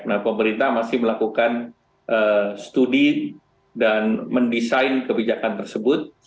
nah pemerintah masih melakukan studi dan mendesain kebijakan tersebut